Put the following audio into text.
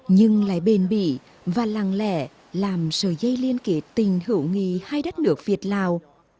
nhưng lại bền bỉ và làng lẻ làm sờ dây liên kết tình hữu nghì hai đất nước việt lào